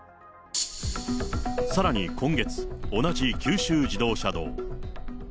さらに今月、同じ九州自動車道。